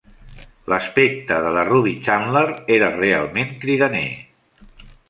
L'aspecte de la Ruby Chandler era realment cridaner.